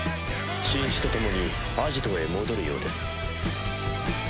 新種と共にアジトへ戻るようです。